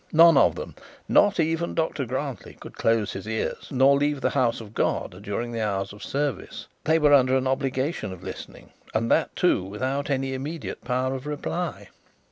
None of them, not even Dr Grantly, could close his ears, nor leave the house of God during the hours of service. They were under an obligation of listening, and that too, without any immediate power of reply.